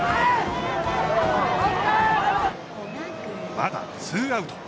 まだツーアウト。